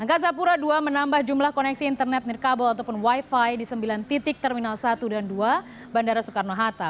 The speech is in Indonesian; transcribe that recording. angkasa pura ii menambah jumlah koneksi internet nirkabel ataupun wifi di sembilan titik terminal satu dan dua bandara soekarno hatta